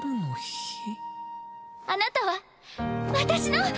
あなたは私の。